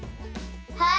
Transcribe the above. はい。